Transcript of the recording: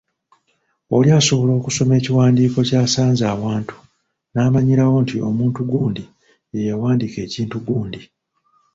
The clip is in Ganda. Oli asobola okusoma ekiwandiiko ky’asanze awantu n’amanyirawo nti omuntu gundi ye yawandiika ekintu gundi.